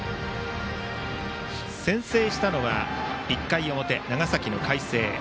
先制したのは１回表、長崎の海星。